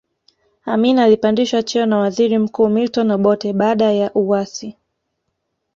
Amin alipandishwa cheo na waziri mkuu Milton Obote baada ya uasi